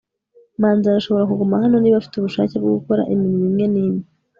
manzi arashobora kuguma hano niba afite ubushake bwo gukora imirimo imwe n'imwe